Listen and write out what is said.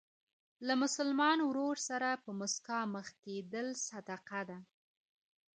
له مسلمان ورور سره په مسکا مخ کېدل صدقه ده.